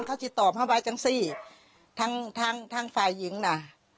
เขาจะตอบให้ไปจังสิทั้งทั้งทั้งฝ่ายหญิงนะ